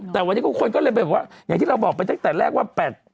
แต่วันนี้คนก็เลยไปบอกว่าอย่างที่เราบอกไปตั้งแต่แรกว่า